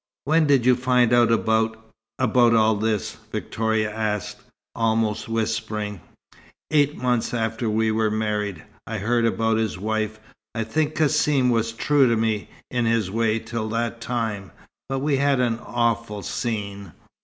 "When did you find out about about all this?" Victoria asked, almost whispering. "Eight months after we were married I heard about his wife. I think Cassim was true to me, in his way, till that time. But we had an awful scene.